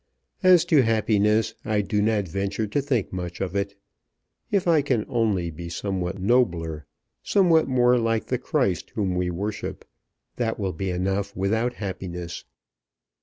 As to happiness, I do not venture to think much of it. If I can only be somewhat nobler, somewhat more like the Christ whom we worship, that will be enough without happiness.